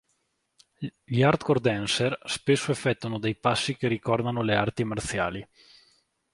Gli hardcore dancers spesso effettuano dei passi che ricordano le arti marziali.